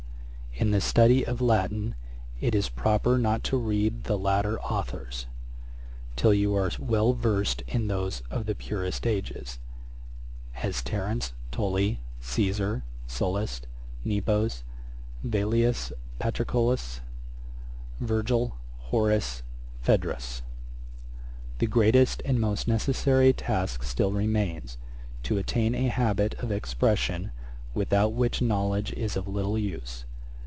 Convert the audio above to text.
'In the study of Latin, it is proper not to read the latter authours, till you are well versed in those of the purest ages; as Terence, Tully, Cæsar, Sallust, Nepos, Velleius Paterculus, Virgil, Horace, Phædrus. 'The greatest and most necessary task still remains, to attain a habit of expression, without which knowledge is of little use.